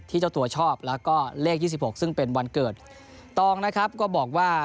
เจ้าตัวชอบแล้วก็เลขยี่สิบหกซึ่งเป็นวันเกิดตองนะครับก็บอกว่า